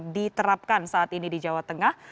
diterapkan saat ini di jawa tengah